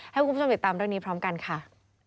ให้คุณผู้ชมติดตามเรื่องนี้พร้อมกันค่ะ